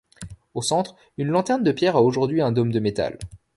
Au centre, une lanterne de pierre a aujourd’hui un dôme de métal.